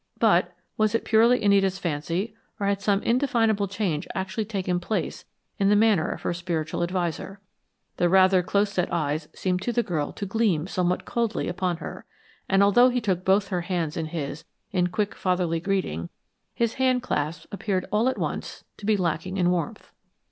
But was it purely Anita's fancy or had some indefinable change actually taken place in the manner of her spiritual adviser? The rather close set eyes seemed to the girl to gleam somewhat coldly upon her, and although he took both her hands in his in quick, fatherly greeting, his hand clasp appeared all at once to be lacking in warmth.